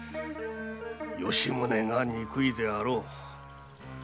吉宗が憎いであろう。